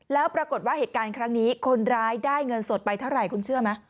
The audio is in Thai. แล้วปรากฏว่าเหตุการณ์ครั้งนี้คนร้ายได้เงินสดไปเท่าไหร่คุณเชื่อไหม